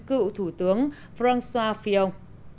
chính trị gia phi ông